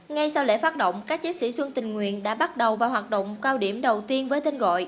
ngay sau lễ phát động các chiến sĩ xuân tình nguyện đã bắt đầu vào hoạt động cao điểm đầu tiên với tên gọi